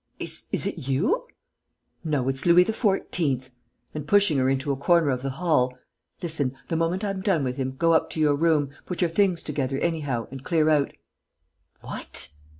... is it you?" "No, it's Louis XIV.!" And, pushing her into a corner of the hall, "Listen.... The moment I'm done with him, go up to your room, put your things together anyhow and clear out." "What!"